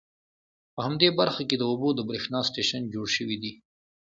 په همدې برخه کې د اوبو د بریښنا سټیشن جوړ شوي دي.